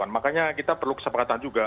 makanya kita perlu kesepakatan juga